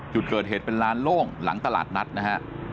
จุดเกิดเหตุเป็นลานโล่งหลังตลาดนัดนะฮะ